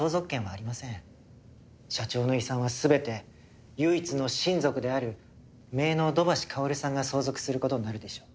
社長の遺産は全て唯一の親族である姪の土橋かおるさんが相続する事になるでしょう。